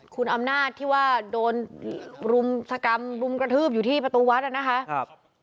คุณอำนาจที่ว่าโดนรุมสกรรมรุมกระทืบอยู่ที่ประตูวัดนะคะ